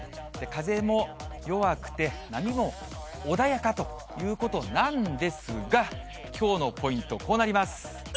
風も弱くて、波も穏やかということなんですが、きょうのポイント、こうなります。